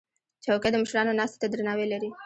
چوکۍ د مشرانو ناستې ته درناوی لري.